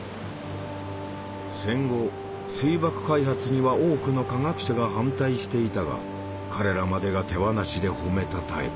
戦後水爆開発には多くの科学者が反対していたが彼らまでが手放しで褒めたたえた。